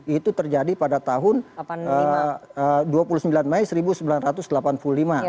itu terjadi pada tahun dua puluh sembilan mei seribu sembilan ratus delapan puluh lima